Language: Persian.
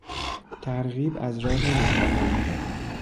ترغیب از راه مهربانی